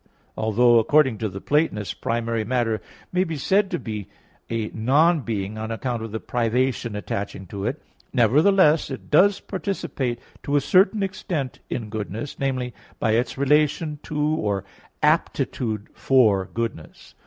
Although, according to the Platonists, primary matter may be said to be a non being on account of the privation attaching to it, nevertheless, it does participate to a certain extent in goodness, viz. by its relation to, or aptitude for, goodness.